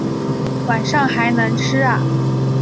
晚上还能吃啊